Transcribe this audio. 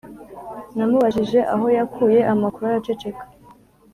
Namubajije aho yakuye amakuru araceceka